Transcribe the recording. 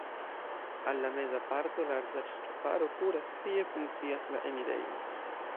Al la meza parto larĝa ŝtuparo kuras, tie funkcias la enirejo.